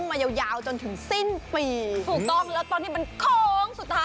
งั้นก็มีโอกาสรีบส่งกันมา